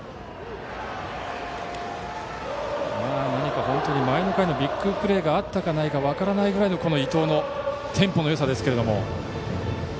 何か本当に前の回のビッグプレーがあったかどうか分からないぐらいの伊藤のテンポのよさですが。